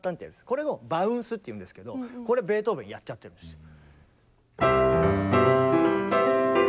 これをバウンスっていうんですけどこれベートーベンやっちゃってるんですよ。